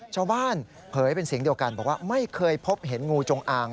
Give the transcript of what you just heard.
เผยเป็นเสียงเดียวกันบอกว่าไม่เคยพบเห็นงูจงอาง